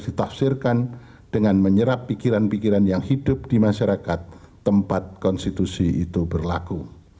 ditafsirkan dengan menyerap pikiran pikiran yang hidup di masyarakat tempat konstitusi itu berlaku